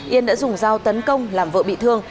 yên đã dùng dao tấn công làm vợ bị thương